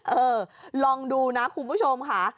เออลองดูนะคุณผู้ชมค่ะ